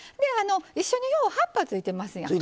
一緒によう葉っぱついてますやんね。